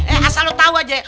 eh asal lo tau aja ya